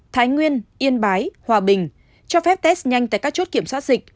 thái nguyên yên bái hòa bình cho phép test nhanh tại các chốt kiểm soát dịch